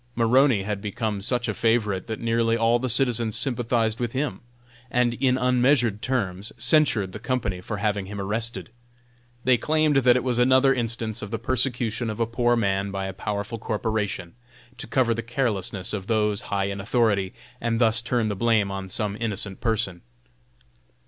Maroney had become such a favorite that nearly all the citizens sympathized with him, and in unmeasured terms censured the company for having him arrested. They claimed that it was another instance of the persecution of a poor man by a powerful corporation, to cover the carelessness of those high in authority, and thus turn the blame on some innocent person.